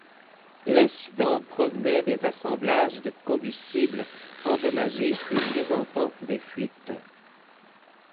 L'incident provenait des assemblages de combustibles endommagés et présentant des fuites.